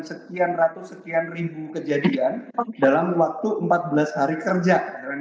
sekian ratus sekian ribu kejadian dalam waktu empat belas hari kerja